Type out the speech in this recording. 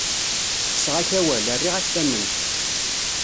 Kkseɣ-ak awal, rriɣ-ak tamment.